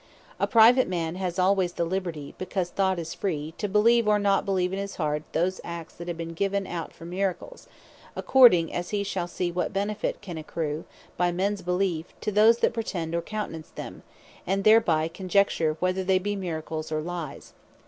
A private man has alwaies the liberty, (because thought is free,) to beleeve, or not beleeve in his heart, those acts that have been given out for Miracles, according as he shall see, what benefit can accrew by mens belief, to those that pretend, or countenance them, and thereby conjecture, whether they be Miracles, or Lies.